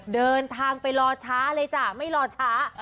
เดินทางไปรอช้าเลยจ้ะไม่รอช้า